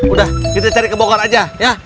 udah kita cari kebongkar aja ya